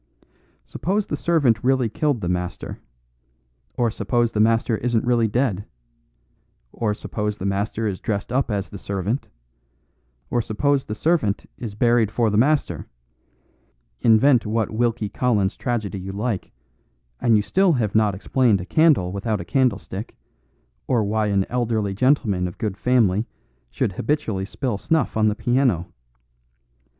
Suppose the servant really killed the master, or suppose the master isn't really dead, or suppose the master is dressed up as the servant, or suppose the servant is buried for the master; invent what Wilkie Collins' tragedy you like, and you still have not explained a candle without a candlestick, or why an elderly gentleman of good family should habitually spill snuff on the piano.